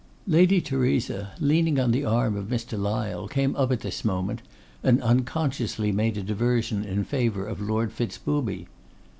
Lady Theresa, leaning on the arm of Mr. Lyle, came up at this moment, and unconsciously made a diversion in favour of Lord Fitz booby.